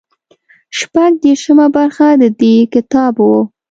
شپږ دېرشمه برخه د دې کتاب وو.